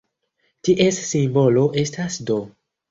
Ties simbolo estas "d".